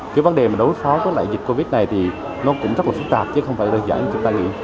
cái vấn đề mà đối phó với lại dịch covid này thì nó cũng rất là phức tạp chứ không phải là dễ như chúng ta nghĩ